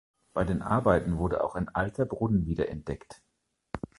Bei den Arbeiten wurde auch ein alter Brunnen wiederentdeckt.